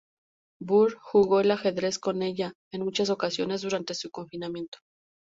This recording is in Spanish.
Burr jugó al ajedrez con ella en muchas ocasiones durante su confinamiento.